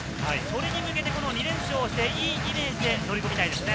それに向けて２連勝して、いいイメージで取り込みたいですね。